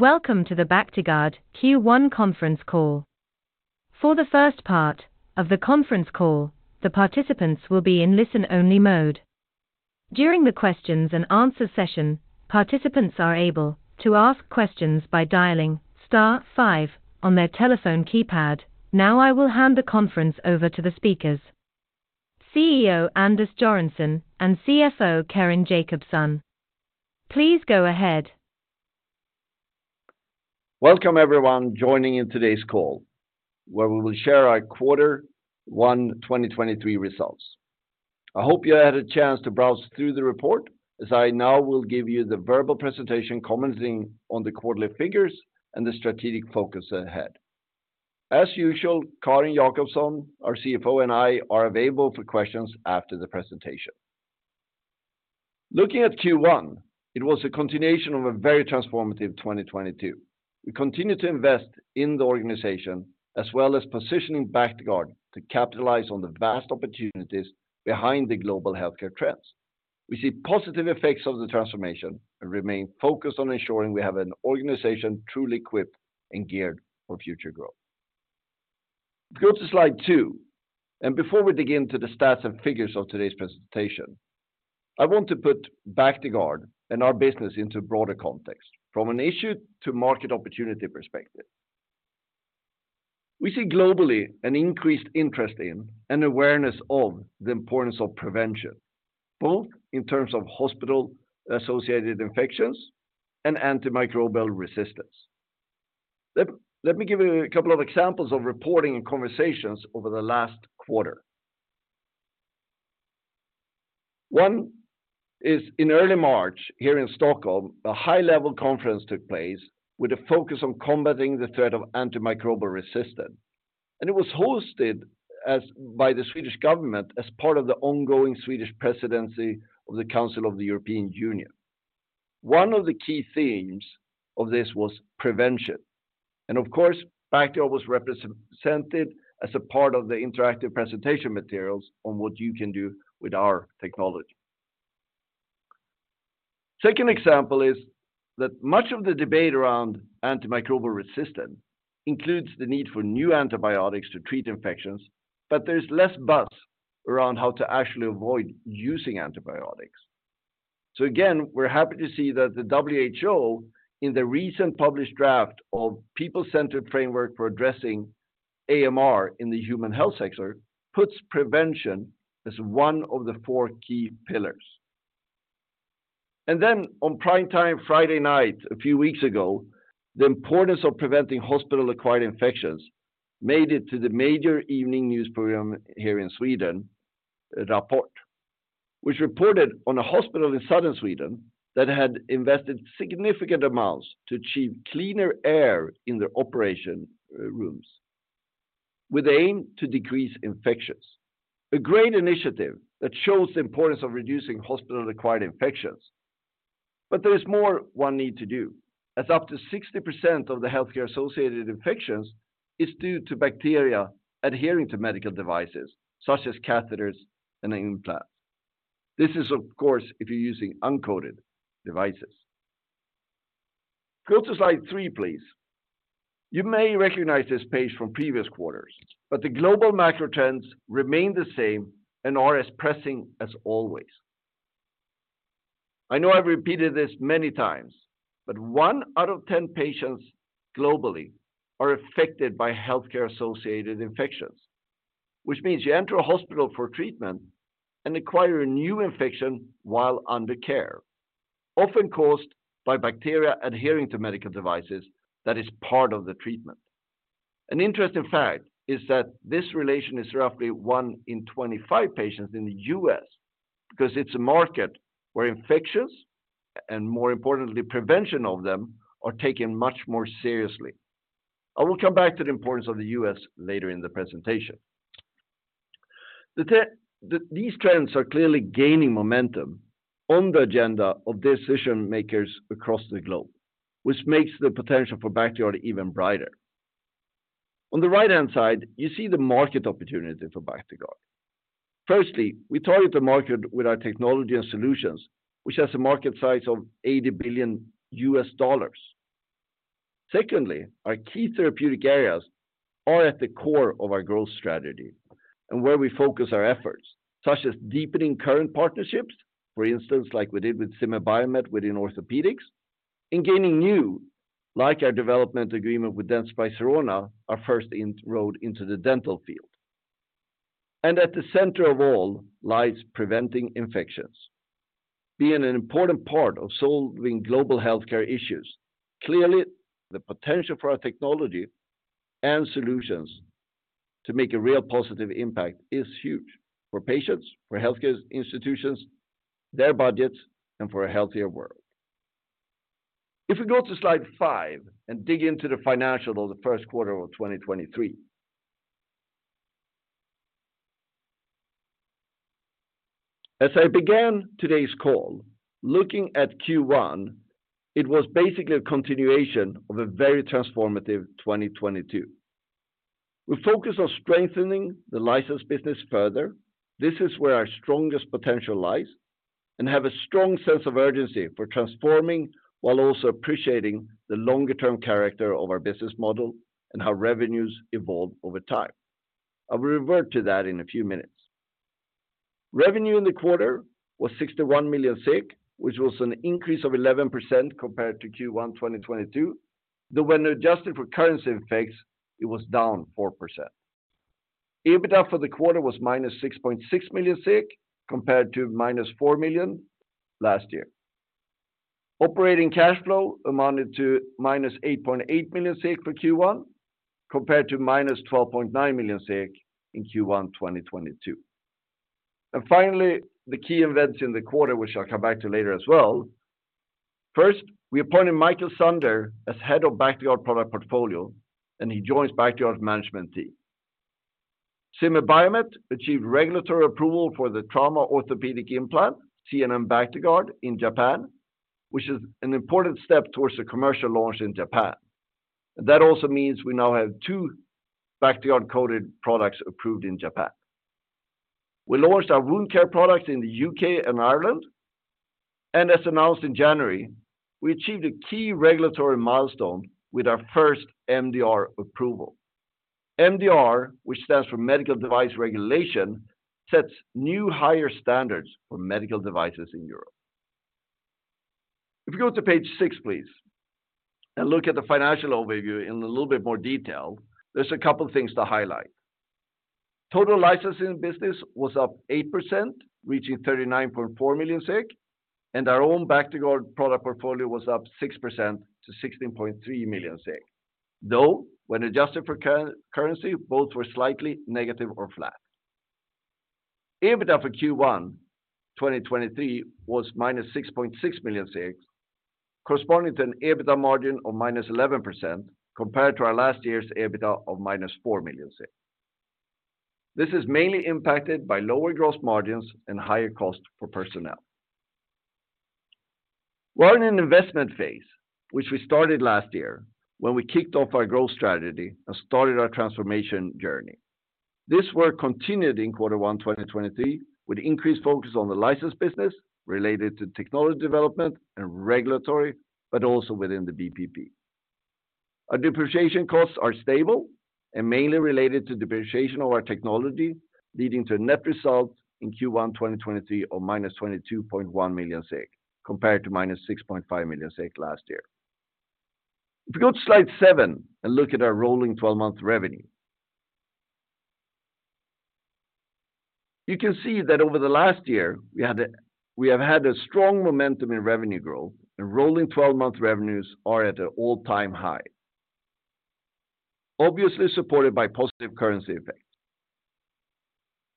Welcome to the Bactiguard Q1 conference call. For the first part of the conference call, the participants will be in listen-only mode. During the questions and answer session, participants are able to ask questions by dialing star five on their telephone keypad. Now I will hand the conference over to the speakers, CEO Anders Göransson and CFO Carin Jakobson. Please go ahead. Welcome everyone joining in today's call, where we will share our Q1 2023 results. I hope you had a chance to browse through the report as I now will give you the verbal presentation commenting on the quarterly figures and the strategic focus ahead. As usual, Carin Jakobson, our CFO, and I are available for questions after the presentation. Looking at Q1, it was a continuation of a very transformative 2022. We continue to invest in the organization, as well as positioning Bactiguard to capitalize on the vast opportunities behind the global healthcare trends. We see positive effects of the transformation and remain focused on ensuring we have an organization truly equipped and geared for future growth. Go to slide two. Before we dig into the stats and figures of today's presentation, I want to put Bactiguard and our business into broader context from an issue to market opportunity perspective. We see globally an increased interest in and awareness of the importance of prevention, both in terms of healthcare associated infections and antimicrobial resistance. Let me give you a couple of examples of reporting and conversations over the last quarter. One is in early March here in Stockholm, a high level conference took place with a focus on combating the threat of antimicrobial resistance. It was hosted by the Swedish government as part of the ongoing Swedish presidency of the Council of the European Union. One of the key themes of this was prevention, and of course, Bactiguard was represented as a part of the interactive presentation materials on what you can do with our technology. Second example is that much of the debate around antimicrobial resistance includes the need for new antibiotics to treat infections, but there's less buzz around how to actually avoid using antibiotics. Again, we're happy to see that the WHO in the recent published draft of people-centered framework for addressing AMR in the human health sector puts prevention as one of the four key pillars. On prime time Friday night a few weeks ago, the importance of preventing hospital-acquired infections made it to the major evening news program here in Sweden, Rapport, which reported on a hospital in southern Sweden that had invested significant amounts to achieve cleaner air in their operation rooms with the aim to decrease infections. A great initiative that shows the importance of reducing hospital-acquired infections. There is more one need to do, as up to 60% of the healthcare associated infections is due to bacteria adhering to medical devices such as catheters and implants. This is of course if you're using uncoated devices. Go to slide three, please. You may recognize this page from previous quarters, but the global macro trends remain the same and are as pressing as always. I know I've repeated this many times, but one out of 10 patients globally are affected by healthcare associated infections, which means you enter a hospital for treatment and acquire a new infection while under care, often caused by bacteria adhering to medical devices that are part of the treatment. An interesting fact is that this relation is roughly one in 25 patients in the U.S. because it's a market where infections, and more importantly, prevention of them, are taken much more seriously. I will come back to the importance of the U.S. later in the presentation. These trends are clearly gaining momentum on the agenda of decision makers across the globe, which makes the potential for Bactiguard even brighter. On the right-hand side, you see the market opportunity for Bactiguard. Firstly, we target the market with our technology and solutions, which has a market size of $80 billion. Secondly, our key therapeutic areas are at the core of our growth strategy and where we focus our efforts, such as deepening current partnerships, for instance, like we did with Zimmer Biomet within orthopedics, and gaining new, like our development agreement with Dentsply Sirona, our first inroad into the dental field. At the center of all lies preventing infections. Being an important part of solving global healthcare issues, clearly the potential for our technology and solutions to make a real positive impact is huge for patients, for healthcare institutions, their budgets, and for a healthier world. If we go to slide five and dig into the financial of the Q1 of 2023. As I began today's call, looking at Q1, it was basically a continuation of a very transformative 2022. We focus on strengthening the license business further. This is where our strongest potential lies, and have a strong sense of urgency for transforming while also appreciating the longer-term character of our business model and how revenues evolve over time. I will revert to that in a few minutes. Revenue in the quarter was 61 million, which was an increase of 11% compared to Q1 2022, though when adjusted for currency effects, it was down 4%. EBITDA for the quarter was -6.6 million compared to -4 million last year. Operating cash flow amounted to -8.8 million for Q1, compared to -12.9 million in Q1 2022. Finally, the key events in the quarter, which I'll come back to later as well. First, we appointed Mikael Sander as Head of Bactiguard Product Portfolio, and he joins Bactiguard management team. Zimmer Biomet achieved regulatory approval for the trauma orthopedic implant, ZNN Bactiguard in Japan, which is an important step towards the commercial launch in Japan. That also means we now have two Bactiguard coded products approved in Japan. We launched our wound care product in the U.K. and Ireland. As announced in January, we achieved a key regulatory milestone with our first MDR approval. MDR, which stands for Medical Device Regulation, sets new higher standards for medical devices in Europe. If you go to page six, please, and look at the financial overview in a little bit more detail, there's a couple of things to highlight. Total licensing business was up 8%, reaching 39.4 million SEK, and our own Bactiguard Product Portfolio was up 6% to 16.3 million SEK. When adjusted for currency, both were slightly negative or flat. EBITDA for Q1 2023 was -6.6 million, corresponding to an EBITDA margin of -11% compared to our last year's EBITDA of -4 million. This is mainly impacted by lower gross margins and higher cost for personnel. We're in an investment phase, which we started last year when we kicked off our growth strategy and started our transformation journey. This work continued in quarter one, 2023 with increased focus on the license business related to technology development and regulatory, also within the BPP. Our depreciation costs are stable and mainly related to depreciation of our technology, leading to a net result in Q1, 2023 of -22.1 million, compared to -6.5 million last year. If you go to slide seven and look at our rolling twelve-month revenue. You can see that over the last year, we have had a strong momentum in revenue growth, rolling twelve-month revenues are at an all-time high. Obviously, supported by positive currency effects.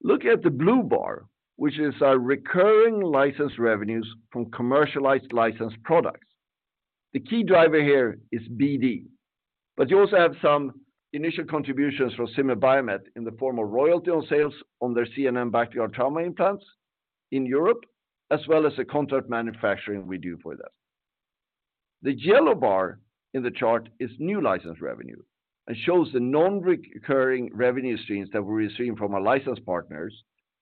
Look at the blue bar, which is our recurring license revenues from commercialized license products. You also have some initial contributions from Zimmer Biomet in the form of royalty on sales on their ZNN Bactiguard trauma implants in Europe, as well as the contract manufacturing we do for them. The yellow bar in the chart is new license revenue and shows the non-recurring revenue streams that we receive from our license partners,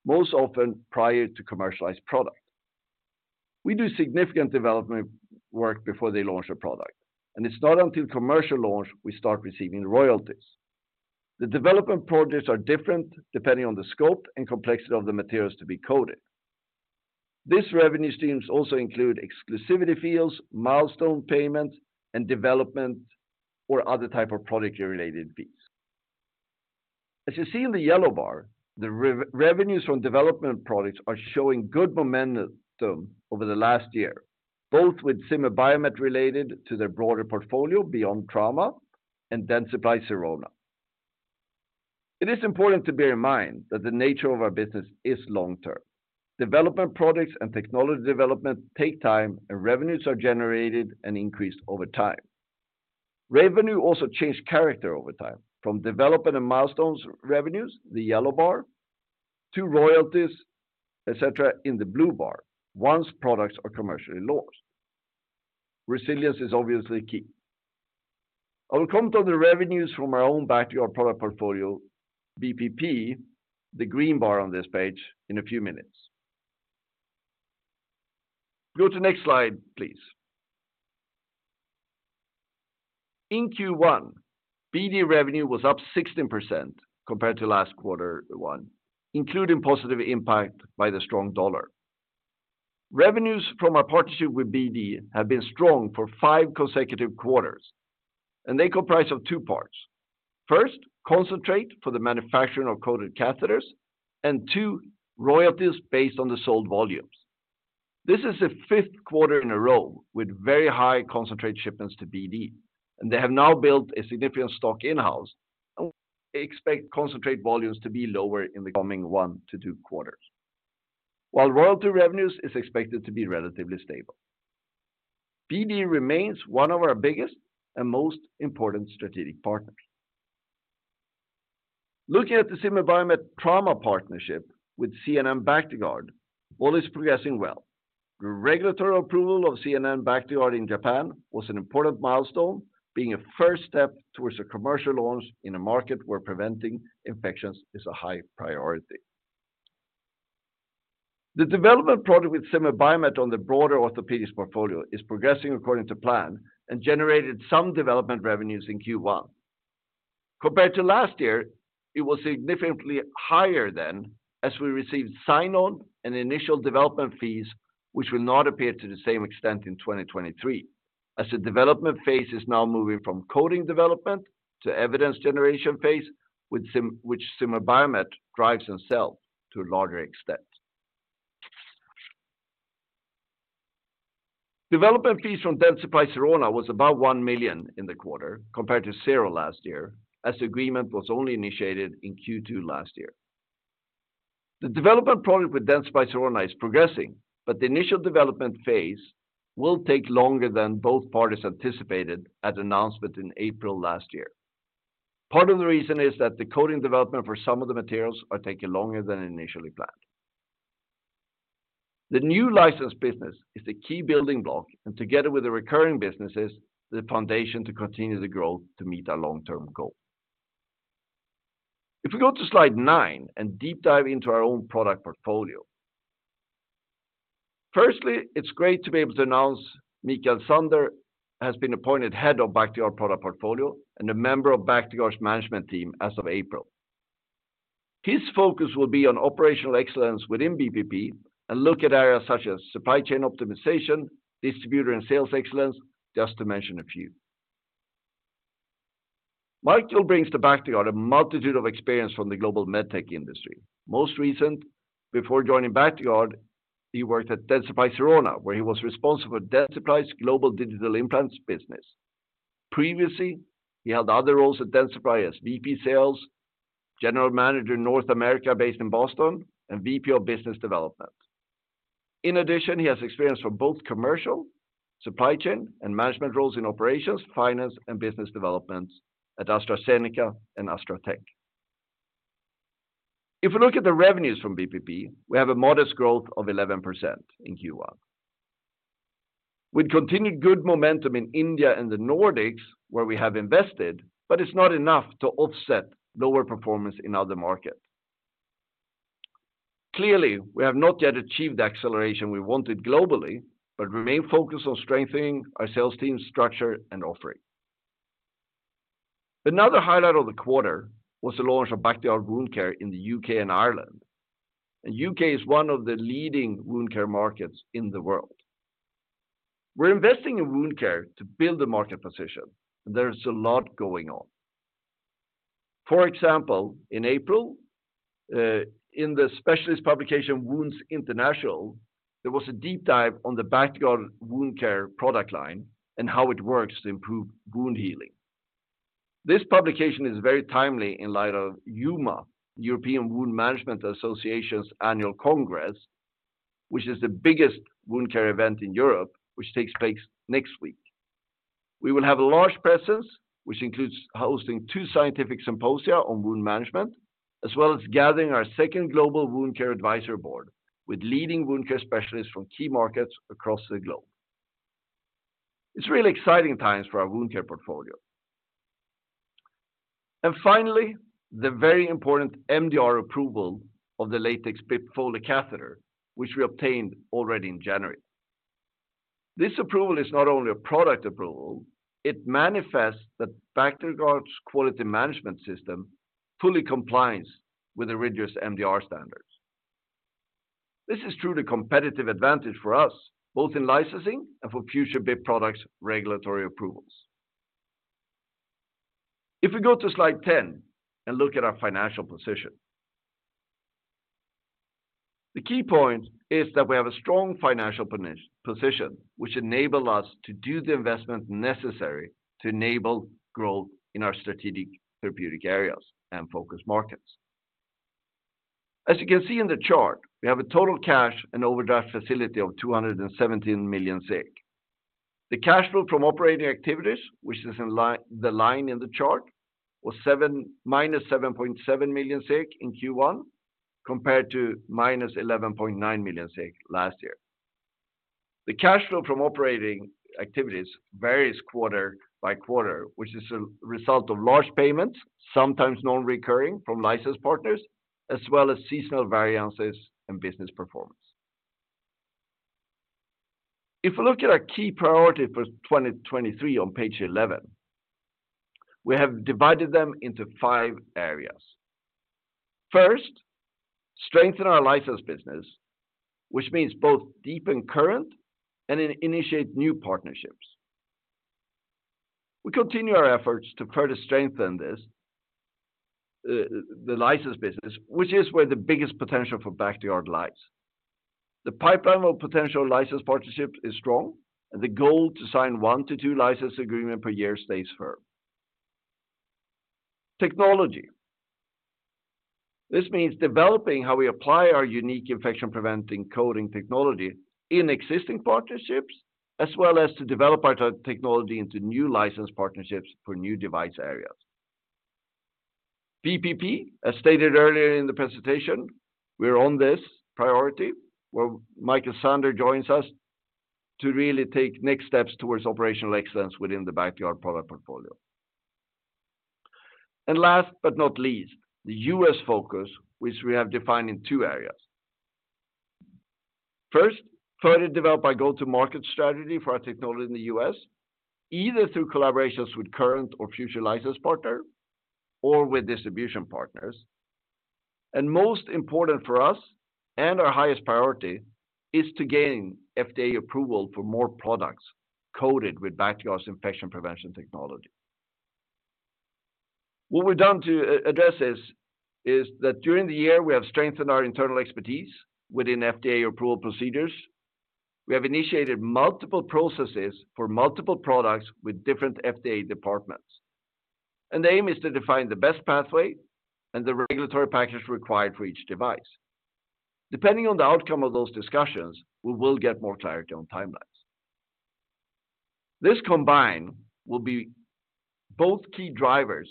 most often prior to commercialized product. We do significant development work before they launch a product. It's not until commercial launch we start receiving royalties. The development projects are different depending on the scope and complexity of the materials to be coded. These revenue streams also include exclusivity fields, milestone payments, and development or other type of product-related fees. As you see in the yellow bar, the revenues from development products are showing good momentum over the last year, both with Zimmer Biomet related to their broader portfolio beyond trauma and Dentsply Sirona. It is important to bear in mind that the nature of our business is long-term. Development products and technology development take time, and revenues are generated and increased over time. Revenue also changes character over time, from development and milestones revenues, the yellow bar, to royalties, et cetera, in the blue bar once products are commercially launched. Resilience is obviously key. I will come to the revenues from our own Bactiguard Product Portfolio, BPP, the green bar on this page, in a few minutes. Go to next slide, please. In Q1, BD revenue was up 16% compared to last quarter one, including positive impact by the strong dollar. Revenues from our partnership with BD have been strong for five consecutive quarters. They comprise of two parts. First, concentrate for the manufacturing of coated catheters. Two, royalties based on the sold volumes. This is the fifth quarter in a row with very high concentrate shipments to BD. They have now built a significant stock in-house. We expect concentrate volumes to be lower in the coming one to two quarters. While royalty revenue is expected to be relatively stable. BD remains one of our biggest and most important strategic partners. Looking at the Zimmer Biomet trauma partnership with ZNN Bactiguard, all is progressing well. The regulatory approval of ZNN Bactiguard in Japan was an important milestone, being a 1st step towards a commercial launch in a market where preventing infections is a high priority. The development product with Zimmer Biomet on the broader orthopedics portfolio is progressing according to plan and generated some development revenues in Q1. Compared to last year, it was significantly higher then as we received sign-on and initial development fees, which will not appear to the same extent in 2023, as the development phase is now moving from coding development to evidence generation phase, which Zimmer Biomet drives themselves to a larger extent. Development fees from Dentsply Sirona were about 1 million in the quarter compared to zero last year, as the agreement was only initiated in Q2 last year. The development product with Dentsply Sirona is progressing, the initial development phase will take longer than both parties anticipated at announcement in April last year. Part of the reason is that the coding development for some of the materials are taking longer than initially planned. The new license business is the key building block, and together with the recurring businesses, the foundation to continue the growth to meet our long-term goal. If we go to slide nine and deep dive into our own Product Portfolio. Firstly, it's great to be able to announce, Mikael Sander has been appointed Head of Bactiguard Product Portfolio and a member of Bactiguard's management team as of April. His focus will be on operational excellence within BPP and look at areas such as supply chain optimization, distributor and sales excellence, just to mention a few. Mikael brings to Bactiguard a multitude of experience from the global MedTech industry. Most recent, before joining Bactiguard, he worked at Dentsply Sirona, where he was responsible for Dentsply's global digital implants business. Previously, he held other roles at Dentsply as VP Sales, General Manager in North America based in Boston, and VP of Business Development. In addition, he has experience for both commercial, supply chain, and management roles in operations, finance, and business developments at AstraZeneca and Astra Tech. If we look at the revenues from BPP, we have a modest growth of 11% in Q1. With continued good momentum in India and the Nordics, where we have invested, but it's not enough to offset lower performance in other markets. Clearly, we have not yet achieved the acceleration we wanted globally, but we remain focused on strengthening our sales team structure and offering. Another highlight of the quarter was the launch of Bactiguard Wound Care in the U.K. and Ireland. U.K. is one of the leading wound care markets in the world. We're investing in wound care to build a market position, and there's a lot going on. For example, in April, in the specialist publication Wounds International, there was a deep dive on the Bactiguard Wound Care product line and how it works to improve wound healing. This publication is very timely in light of EWMA, European Wound Management Association's annual congress, which is the biggest wound care event in Europe, which takes place next week. We will have a large presence, which includes hosting two scientific symposia on wound management, as well as gathering our second global wound care advisory board with leading wound care specialists from key markets across the globe. It's really exciting times for our wound care portfolio. Finally, the very important MDR approval of the latex BIP Foley Catheter, which we obtained already in January. This approval is not only a product approval, it manifests that Bactiguard's quality management system fully complies with the rigorous MDR standards. This is truly competitive advantage for us, both in licensing and for future BIP products regulatory approvals. If we go to slide 10 and look at our financial position. The key point is that we have a strong financial position, which enable us to do the investment necessary to enable growth in our strategic therapeutic areas and focus markets. As you can see in the chart, we have a total cash and overdraft facility of 217 million SEK. The cash flow from operating activities, which is the line in the chart, was -7.7 million in Q1, compared to -11.9 million last year. The cash flow from operating activities varies quarter-by-quarter, which is a result of large payments, sometimes non-recurring from license partners, as well as seasonal variances and business performance. If we look at our key priority for 2023 on page 11, we have divided them into five areas. First, strengthen our license business, which means both deepen current and initiate new partnerships. We continue our efforts to further strengthen this, the license business, which is where the biggest potential for Bactiguard lies. The pipeline of potential license partnerships is strong, and the goal to sign one to two license agreement per year stays firm. Technology. This means developing how we apply our unique infection preventing coating technology in existing partnerships, as well as to develop our technology into new license partnerships for new device areas. BPP, as stated earlier in the presentation, we are on this priority, where Mikael Sander joins us to really take next steps towards operational excellence within the BIP product portfolio. Last but not least, the U.S. focus, which we have defined in two areas. First, further develop our go-to-market strategy for our technology in the U.S., either through collaborations with current or future license partner or with distribution partners. Most important for us and our highest priority is to gain FDA approval for more products coated with BIP's infection prevention technology. What we've done to address this is that during the year, we have strengthened our internal expertise within FDA approval procedures. We have initiated multiple processes for multiple products with different FDA departments. The aim is to define the best pathway and the regulatory package required for each device. Depending on the outcome of those discussions, we will get more clarity on timelines. This combined will be both key drivers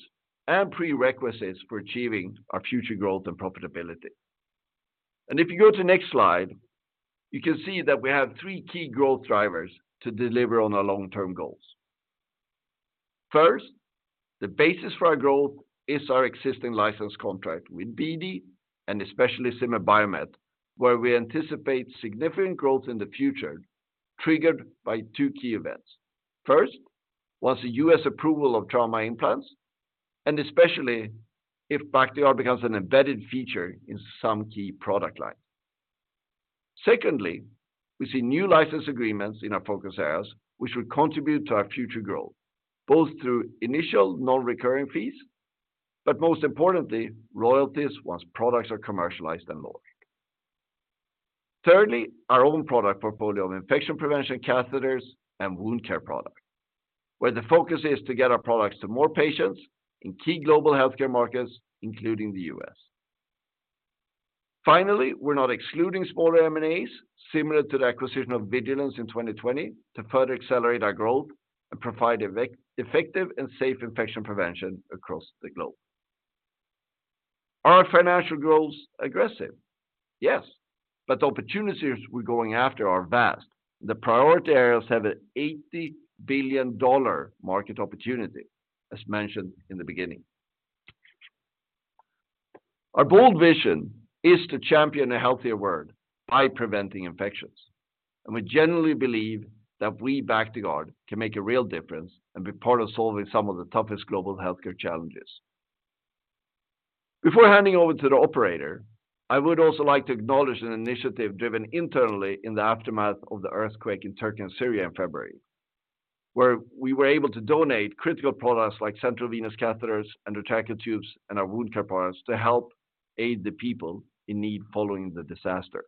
and prerequisites for achieving our future growth and profitability. If you go to next slide, you can see that we have three key growth drivers to deliver on our long-term goals. First, the basis for our growth is our existing license contract with BD, and especially Zimmer Biomet, where we anticipate significant growth in the future, triggered by two key events. First was the U.S. approval of trauma implants, and especially if BIP becomes an embedded feature in some key product lines. We see new license agreements in our focus areas, which will contribute to our future growth, both through initial non-recurring fees, but most importantly, royalties once products are commercialized and launched. Our own product portfolio of infection prevention catheters and wound care product, where the focus is to get our products to more patients in key global healthcare markets, including the U.S. We're not excluding smaller M&As, similar to the acquisition of Vigilenz in 2020, to further accelerate our growth and provide effective and safe infection prevention across the globe. Are our financial goals aggressive? Yes, but the opportunities we're going after are vast. The priority areas have an $80 billion market opportunity, as mentioned in the beginning. Our bold vision is to champion a healthier world by preventing infections, we generally believe that we, BIP, can make a real difference and be part of solving some of the toughest global healthcare challenges. Before handing over to the operator, I would also like to acknowledge an initiative driven internally in the aftermath of the earthquake in Turkey and Syria in February, where we were able to donate critical products like central venous catheters and endotracheal tubes and our wound care products to help aid the people in need following the disaster.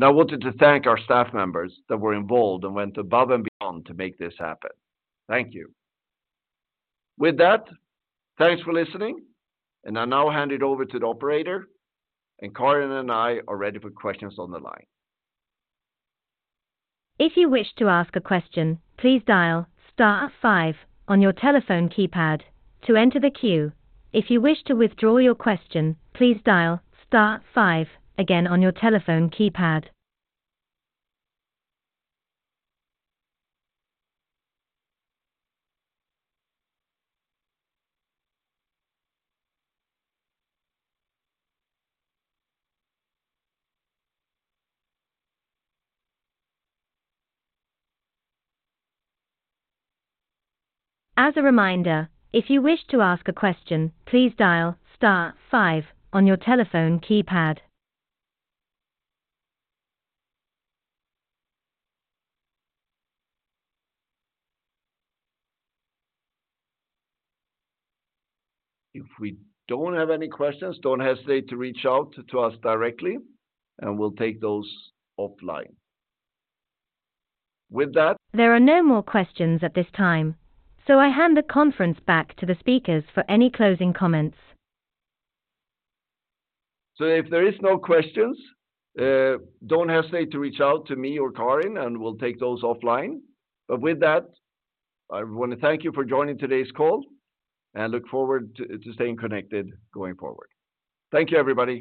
I wanted to thank our staff members that were involved and went above and beyond to make this happen. Thank you. With that, thanks for listening, and I now hand it over to the operator, and Carin and I are ready for questions on the line. If you wish to ask a question, please dial star five on your telephone keypad to enter the queue. If you wish to withdraw your question, please dial star five again on your telephone keypad. As a reminder, if you wish to ask a question, please dial star five on your telephone keypad. If we don't have any questions, don't hesitate to reach out to us directly, and we'll take those offline. With that. There are no more questions at this time, so I hand the conference back to the speakers for any closing comments. If there are no questions, don't hesitate to reach out to me or Carin, and we'll take those offline. With that, I want to thank you for joining today's call and look forward to staying connected going forward. Thank you, everybody.